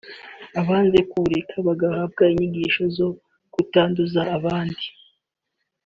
abanze kubureka bagahabwa inyigisho zo kutanduza abandi